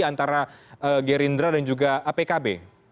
antara gerindra dan juga pkb